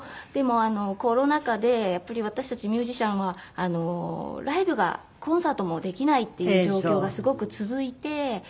でもコロナ禍でやっぱり私たちミュージシャンはライブがコンサートもできないっていう状況がすごく続いて。